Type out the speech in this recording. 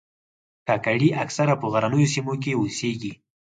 کاکړي اکثره په غرنیو سیمو کې اوسیږي.